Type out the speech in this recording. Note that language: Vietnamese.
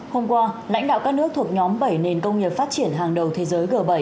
hôm qua lãnh đạo các nước thuộc nhóm bảy nền công nghiệp phát triển hàng đầu thế giới g bảy